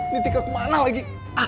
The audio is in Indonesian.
ditikau kemana lagi